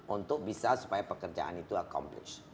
untuk bisa supaya pekerjaan itu accomplos